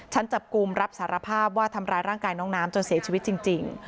จับกลุ่มรับสารภาพว่าทำร้ายร่างกายน้องน้ำจนเสียชีวิตจริง